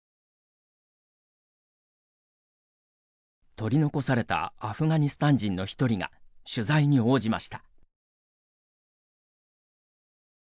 取り残されたアフガニスタン人の１人が取材に応じました。